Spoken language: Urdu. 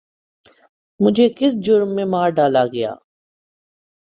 مجھے کس جرم میں مار ڈالا گیا؟